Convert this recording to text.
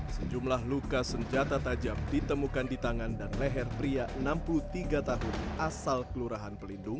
sejumlah luka senjata tajam ditemukan di tangan dan leher pria enam puluh tiga tahun asal kelurahan pelindung